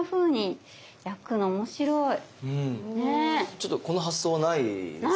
ちょっとこの発想はないですよね。